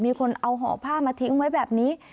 มีคนเอาห่อผ้ามาทิ้งไว้แบบนี้